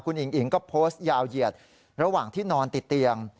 คุณอิงอิ๋งก็โพสต์ยาวเหยียดระหว่างที่นอนติดเตียง